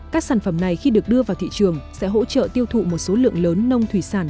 các sản phẩm này khi được đưa vào thị trường sẽ hỗ trợ tiêu thụ một số lượng lớn nông thủy sản